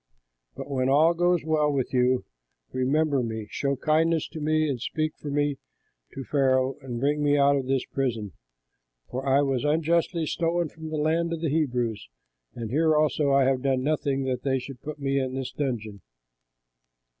But when all goes well with you, remember me, show kindness to me and speak for me to Pharaoh and bring me out of this prison; for I was unjustly stolen from the land of the Hebrews, and here also I have done nothing that they should put me in the dungeon."